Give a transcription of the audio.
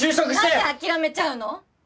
なんで諦めちゃうの？